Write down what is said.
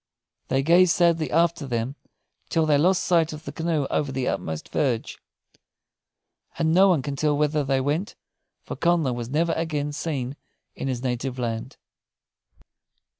They gazed sadly after them, till they lost sight of the canoe over the utmost verge; and no one can tell whither they went, for Connla was never again seen in his native land.